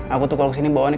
aku tuh kalau disini bawa nih